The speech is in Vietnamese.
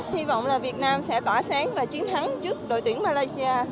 hy vọng là việt nam sẽ tỏa sáng và chiến thắng trước đội tuyển malaysia